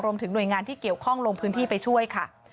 รวมถึงหน่วยงานที่เกี่ยวข้องลงพื้นที่ไปช่วยค่ะ